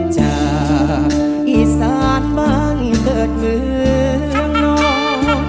จากอีสานบ้านเกิดเมืองนอก